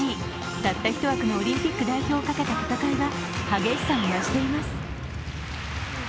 たった１枠のオリンピック代表をかけた戦いは激しさを増しています。